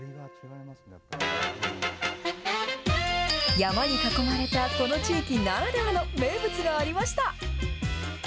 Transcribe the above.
山に囲まれたこの地域ならではの名物がありました。